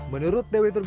menurut dewi turgarini